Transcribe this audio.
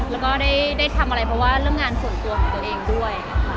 แล้วก็ได้ทำอะไรเพราะว่าเรื่องงานส่วนตัวของตัวเองด้วยค่ะ